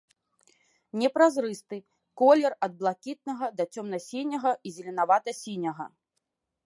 Непразрысты, колер ад блакітнага да цёмна-сіняга і зеленавата-сіняга.